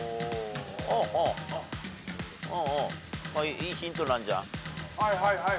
いいヒントなんじゃん？